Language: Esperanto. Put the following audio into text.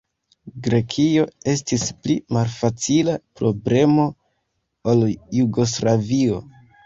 Grekio estis pli malfacila problemo ol Jugoslavio.